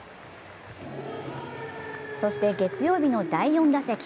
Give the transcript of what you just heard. そして月曜日の第４打席。